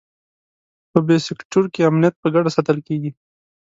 په بي سیکټور کې امنیت په ګډه ساتل کېږي.